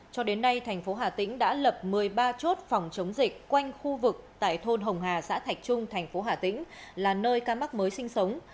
cho đến nay thành phố hà tĩnh đã lập một mươi ba chốt phòng chống dịch quanh khu vực tại thôn hồng hà xã thạch trung thành phố hà tĩnh là nơi ca mắc mới sinh sống